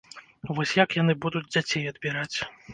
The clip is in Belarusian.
Вось як яны будуць дзяцей адбіраць?